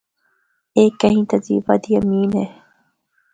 اے کئی تہذیباں دی امین ہے۔